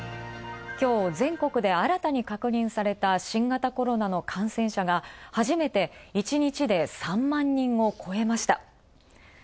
きょう全国で新たに確認された新型コロナの感染者がはじめて１日で３万人超えました。